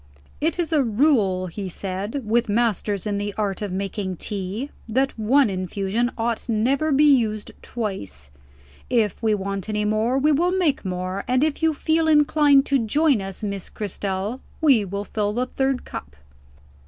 "It is a rule," he said, "with masters in the art of making tea, that one infusion ought never to be used twice. If we want any more, we will make more; and if you feel inclined to join us, Miss Cristel, we will fill the third cup."